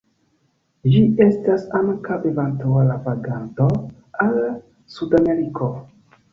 Ĝi estas ankaŭ eventuala vaganto al Sudameriko.